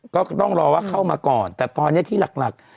ก็ต้องรอว่าเข้ามาก่อนแต่ตอนนี้ที่หลัก